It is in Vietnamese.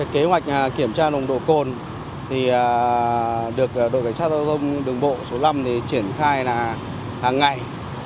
kế hoạch kiểm tra nồng độ cồn được đội cảnh sát giao thông đường bộ số năm triển khai là hàng ngày